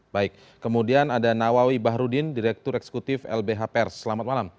baik kemudian ada nawawi bahrudin direktur eksekutif lbh pers selamat malam